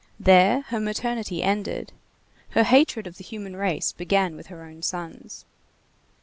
There her maternity ended. Her hatred of the human race began with her own sons.